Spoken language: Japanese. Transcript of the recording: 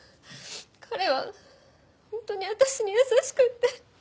彼は本当に私に優しくて。